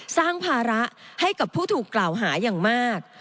ภาระให้กับผู้ถูกกล่าวหาอย่างมาก